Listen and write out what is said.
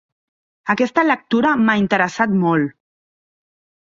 Aquesta lectura m'ha interessat molt.